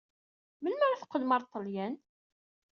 Melmi ara teqqlem ɣer Ṭṭalyan?